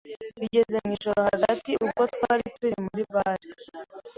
bigeze mu ijoro hagati ubwo twari turi muri bar